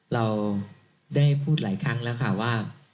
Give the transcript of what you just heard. เราได้พูดหลายครั้งแล้วค่ะว่า